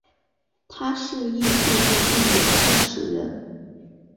他是艺术运动的始创人。